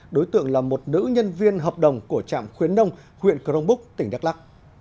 đối tượng là một nữ nhân viên hợp đồng của trạm khuyến nông huyện crong búc tỉnh đắk lắc